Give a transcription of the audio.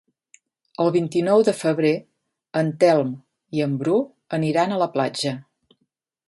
El vint-i-nou de febrer en Telm i en Bru aniran a la platja.